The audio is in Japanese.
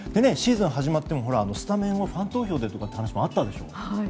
シーズンが始まってもスタメンをファン投票でとかって話もあったでしょ。